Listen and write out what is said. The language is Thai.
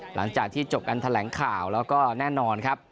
หลังจากที่จบการแถลงข่าวแล้วก็แน่นอนครับ